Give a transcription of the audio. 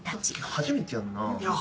初めてやんなぁ。